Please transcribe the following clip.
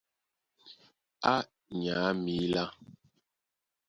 Á nyǎ mǐlá.